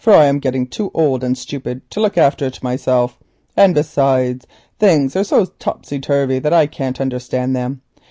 I am getting too old and stupid to look after it myself, and besides things are so topsy turvy that I can't understand them.